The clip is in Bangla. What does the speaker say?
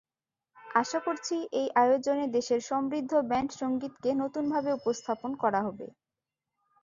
আশা করছি, এই আয়োজনে দেশের সমৃদ্ধ ব্যান্ডসংগীতকে নতুনভাবে উপস্থাপন করা হবে।